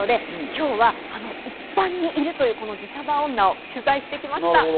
今日はあの一般にいるという自サバ女を取材してきました。